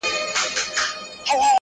شېرينې څه وکړمه زړه چي په زړه بد لگيږي_